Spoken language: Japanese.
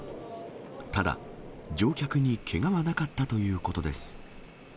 ただ、乗客にけがはなかったということです。